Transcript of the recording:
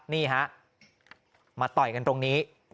นี่ฮะมาต่อยกันตรงนี้